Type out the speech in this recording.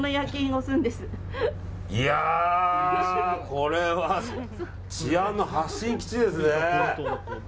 これは治安の発信基地ですね。